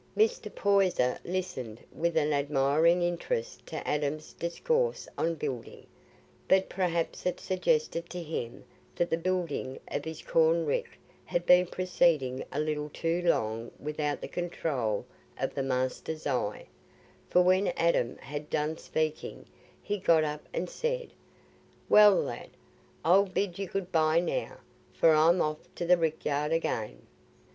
Mr. Poyser listened with an admiring interest to Adam's discourse on building, but perhaps it suggested to him that the building of his corn rick had been proceeding a little too long without the control of the master's eye, for when Adam had done speaking, he got up and said, "Well, lad, I'll bid you good bye now, for I'm off to the rick yard again."